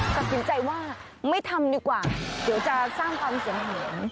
ตัดสินใจว่าไม่ทำดีกว่าเดี๋ยวจะสร้างความเสียงเหน